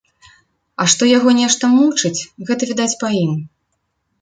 А што яго нешта мучыць, гэта відаць па ім.